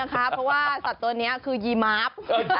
เพราะว่าสัตว์ตัวนี้คือยีมาร์ฟ